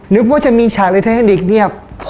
นึกว่าจะมีฉากในไทแทนิกเนี่ย